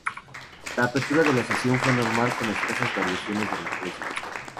La apertura de la sesión fue normal, con escasas variaciones en los precios.